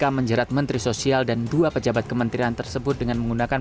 kpk menjerat menteri sosial dan dua pejabat kementerian tersebut dengan menggunakan